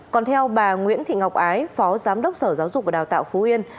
còn theo bà nguyễn thị ngọc ái phó giám đốc sở giáo dục và đào tạo phú yên